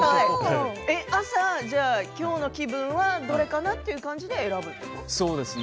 朝きょうの気分はどれかなという感じで選ぶんですか？